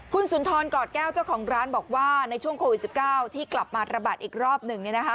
คุณสุนทรกอดแก้วเจ้าของร้านบอกว่าในช่วงโควิดสิบเก้าที่กลับมาระบัดอีกรอบหนึ่งเนี้ยนะคะ